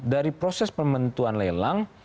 dari proses pementuan lelang